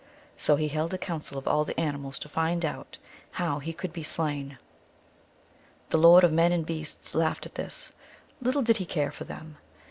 So he held a council of all the animals to find out how he could be slain. The Lord of Men and Beasts laughed at this. Little did he care for them !